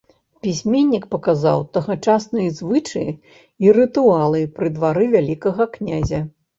Пісьменнік паказаў тагачасныя звычаі і рытуалы пры двары вялікага князя.